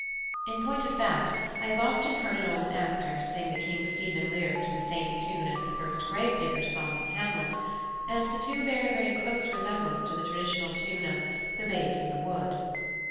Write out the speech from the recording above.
In point of fact, I have often heard an old actor sing the King Stephen lyric to the same tune as the First Gravedigger's song in Hamlet, and the two bear a very close resemblance to the traditional tune of "The Babes in the Wood."